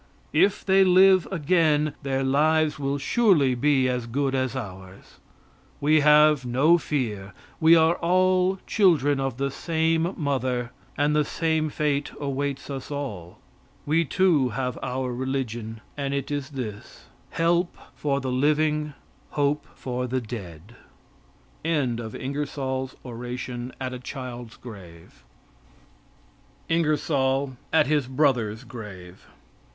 If they live again their lives will surely be as good as ours. We have no fear; we are all children of the same mother and the same fate awaits us all. We, too, have our religion, and it is this: "Help for the living, hope for the dead." INGERSOLL AT HIS BROTHER'S GRAVE.